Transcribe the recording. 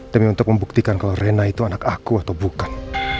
tapi untuk membuktikan kalau rena itu anak aku atau bukan